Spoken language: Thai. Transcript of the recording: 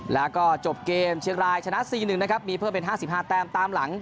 แล้วก็จบเกมเชียงรายชนะ๔๑นะครับมีเพิ่มเป็น๕๕แต้มตามหลัง